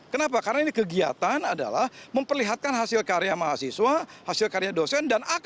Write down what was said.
kenapa karena ini kegiatan adalah memperlihatkan hasil karya mahasiswa hasil karya dosen